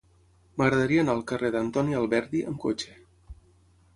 M'agradaria anar al carrer d'Antoni Alberdi amb cotxe.